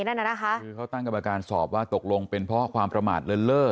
คือเขาตั้งกับการสอบว่าตกลงเป็นเพราะความประมาณเลิ่น